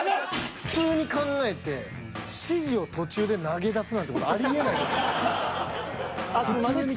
普通に考えて指示を途中で投げ出すなんて事ありえないと思います。